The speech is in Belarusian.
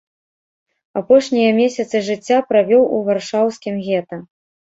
Апошнія месяцы жыцця правёў у варшаўскім гета.